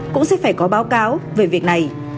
cũng sẽ phải có báo cáo về việc này